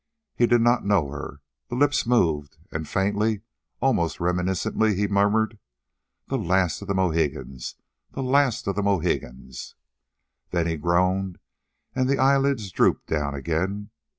He did not know her. The lips moved, and faintly, almost reminiscently, he murmured, "The last of the Mohegans, the last of the Mohegans." Then he groaned, and the eyelids drooped down again.